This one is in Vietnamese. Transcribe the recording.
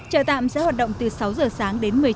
chợ tạm sẽ hoạt động từ sáu giờ sáng đến một mươi một giờ sáng